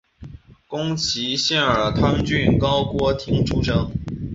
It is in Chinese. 宫崎县儿汤郡高锅町出身。